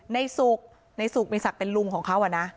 ในศุกร์ในศุกร์มีศักดิ์เป็นลุงของเขาอะนะ